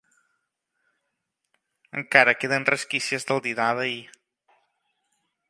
Encara queden resquícies del dinar d'ahir.